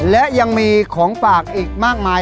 และยังมีของฝากอีกมากมาย